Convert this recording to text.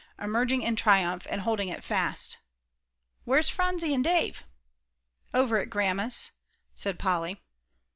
emerging in triumph, and holding it fast. "Where's Phronsie and Dave?" "Over at Grandma's," said Polly.